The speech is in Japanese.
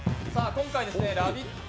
今回「ラヴィット！」